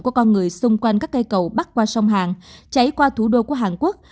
của con người xung quanh các cây cầu bắc qua sông hàn chảy qua thủ đô của hàn quốc